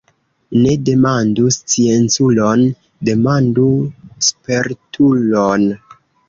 Ne demandu scienculon, demandu spertulon.